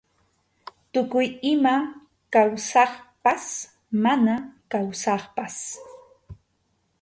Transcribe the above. Tukuy ima kawsaqpas mana kawsaqpas.